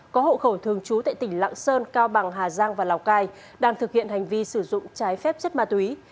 có hộ khẩu thường trú tại tỉnh lạng sơn cao bằng hà giang và lào cai đang thực hiện hành vi sử dụng trái phép chất ma túy